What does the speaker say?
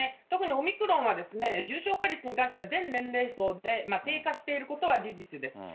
特にオミクロンは重症化率に関しては、全年齢層で低下していることは事実です。